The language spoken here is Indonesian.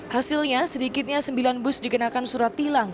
hasilnya sedikitnya sembilan bus dikenakan surat tilang